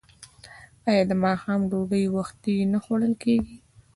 آیا د ماښام ډوډۍ وختي نه خوړل کیږي؟